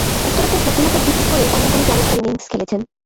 উত্তরোত্তর শক্তিমত্তা বৃদ্ধি করে অনেকগুলো চমৎকার ইনিংস খেলেছেন।